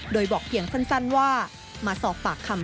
โดยบอกเพียงสั้นว่ามาสอบปากคำ